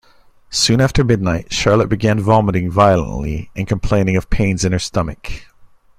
Soon after midnight, Charlotte began vomiting violently and complaining of pains in her stomach.